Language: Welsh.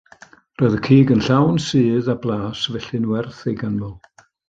Roedd y cig yn llawn sudd a blas felly'n werth ei ganmol.